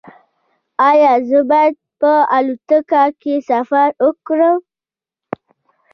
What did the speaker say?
ایا زه باید په الوتکه کې سفر وکړم؟